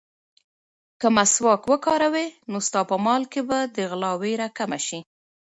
که مسواک وکاروې، نو ستا په مال کې به د غلا وېره کمه شي.